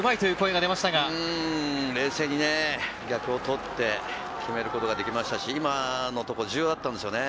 冷静に取って決めることができましたし、今のところ重要だったんですよね。